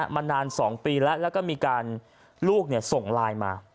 มานาน๒ปีแล้วแล้วก็มีการลูกส่งไลน์มา